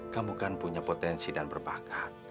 kamu kan punya potensi dan berbakat